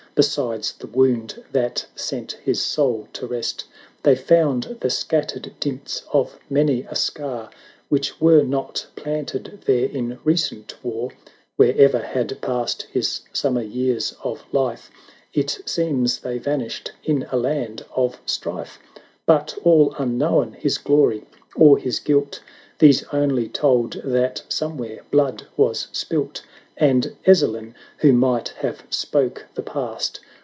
Besides the wound that sent his soul to rest. They found the scattered dints of many a scar, Which were not planted there in recent war; Where'er had passed his summer years of life. It seems they vanished in a land of strife; 11 90 But all unknown his Glory or his Guilt, These only told that somewhere blood was spilt, And Ezzelin, who might have spoke the past.